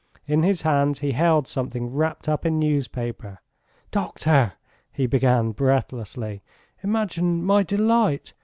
In his hands he held something wrapped up in newspaper. "Doctor!" he began breathlessly, "imagine my delight!